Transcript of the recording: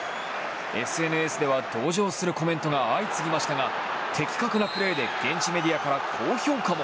ＳＮＳでは同情するコメントが相次ぎましたが的確なプレーで現地メディアから高評価も。